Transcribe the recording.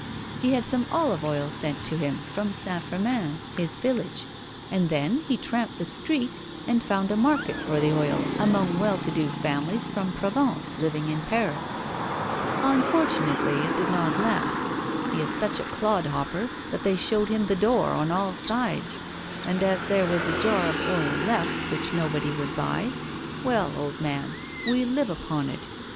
He had some olive oil sent to him from Saint Firmin, his village, and then he tramped the streets and found a market for the oil among well to do families from Provence living in Paris. Unfortunately, it did not last. He is such a clod hopper that they showed him the door on all sides. And as there was a jar of oil left which nobody would buy, well, old man, we live upon it.